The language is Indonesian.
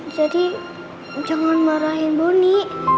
jadi jangan marahin bonny